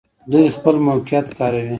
دوی خپل موقعیت کاروي.